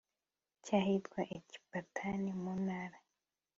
cy ahitwa Ekibatana mu ntara